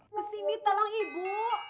kesini tolong ibu